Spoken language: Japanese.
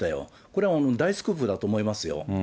これは大スクープだと思いますよ。